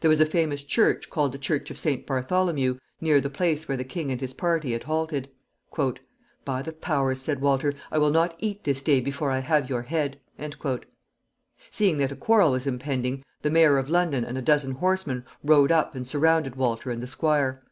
There was a famous church, called the Church of St. Bartholomew, near the place where the king and his party had halted. "By the powers," said Walter, "I will not eat this day before I have your head." Seeing that a quarrel was impending, the mayor of London and a dozen horsemen rode up and surrounded Walter and the squire.